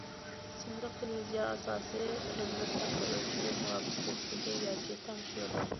سىملىق تېلېۋىزىيە ئاساسىي رېمونت ھەققى ئۆلچىمى مۇۋاپىق بېكىتىلىدۇ ياكى تەڭشىلىدۇ.